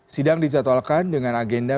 sidang dijadwalkan dengan agenda